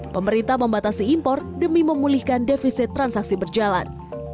pemerintah membatasi impor demi memulihkan defisit transaksi berjalan